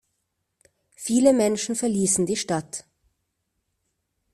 Viele Menschen verließen die Stadt.